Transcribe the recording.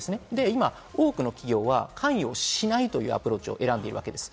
今、多くの企業は関与しないというアプローチを選んでいるわけです。